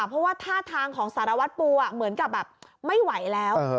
เพราะว่าท่าทางของสารวัตรปูเหมือนกับแบบไม่ไหวแล้ว